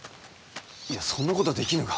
いやそんなことはできぬが。